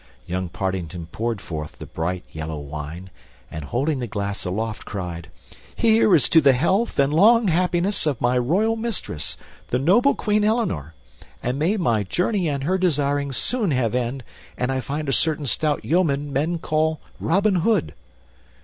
Young Partington poured forth the bright yellow wine and holding the glass aloft, cried, "Here is to the health and long happiness of my royal mistress, the noble Queen Eleanor; and may my journey and her desirings soon have end, and I find a certain stout yeoman men call Robin Hood."